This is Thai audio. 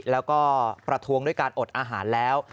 แล้วก็ประท้วงด้วยการอดอาหารแล้ว